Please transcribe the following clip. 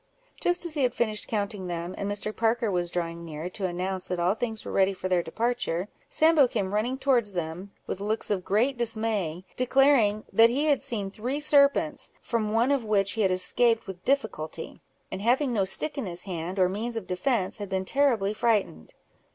Just as he had finished counting them, and Mr. Parker was drawing near, to announce that all things were ready for their departure, Sambo came running towards them, with looks of great dismay, declaring "that he had seen three serpents, from one of which he had escaped with difficulty; and having no stick in his hand, or means of defence, had been terribly frightened."